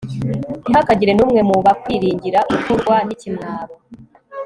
ntihakagire n'umwe mu bakwiringira ukorwa n'ikimwaro